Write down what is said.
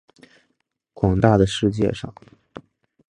广大的世界上